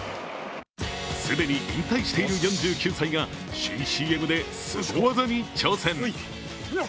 既に引退している４９歳が新ＣＭですご技に挑戦。